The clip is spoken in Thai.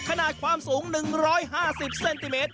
ขนาดความสูง๑๕๐เซนติเมตร